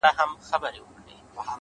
رمې دي د هغه وې اې شپنې د فريادي وې”